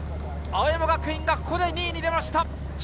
青山学院がここで２位に出ました。